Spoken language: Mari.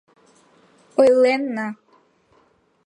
— Ойленна...